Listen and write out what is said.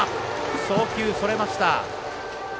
送球、それました。